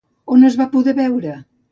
On es va poder veure?